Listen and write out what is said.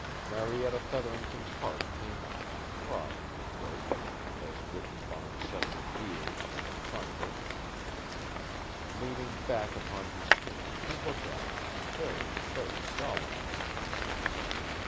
Marietta Featherington's heart came up and throbbed in her throat as Whitney Barnes suddenly wheeled and confronted her. Leaning back upon his cane, he looked at her very, very solemnly.